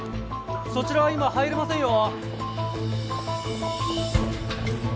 そちらは今入れませんよ。